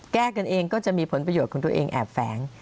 แก้กันเองก็จะมีผลประโยชน์ของตัวเองแอบแฝง